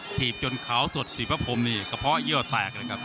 ถีบจนขาวสดสีพระพรมนี่กระเพาะเยื่อแตกเลยครับ